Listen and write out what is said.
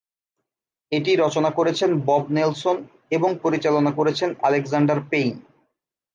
এটি রচনা করেছেন বব নেলসন এবং পরিচালনা করেছেন আলেকজান্ডার পেইন।